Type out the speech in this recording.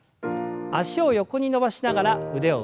脚を横に伸ばしながら腕を上。